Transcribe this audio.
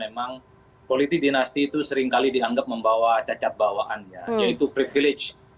ya saya kira itu politik dinasti itu seringkali dianggap membawa cacat bawaannya yaitu privilege